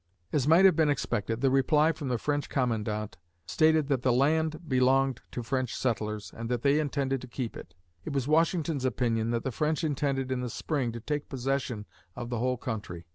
As might have been expected, the reply from the French commandant stated that the land belonged to French settlers and that they intended to keep it. It was Washington's opinion that the French intended in the spring to take possession of the whole country.